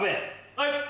はい。